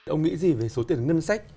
ông nghĩ gì về số tiền ngân sách